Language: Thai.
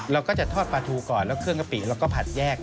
เราก็จะทอดปลาทูก่อนแล้วเครื่องกะปิเราก็ผัดแยก